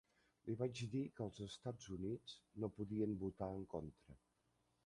Li vaig dir que els Estats Units no podien votar en contra.